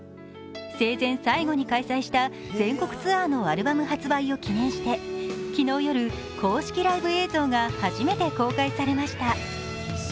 生前最後に開催した全国ツアーのアルバム発売を記念して昨日夜、公式ライブ映像が初めて公開されました。